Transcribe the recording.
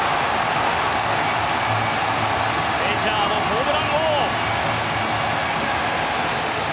メジャーのホームラン王。